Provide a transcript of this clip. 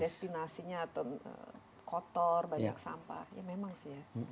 destinasinya atau kotor banyak sampah ya memang sih ya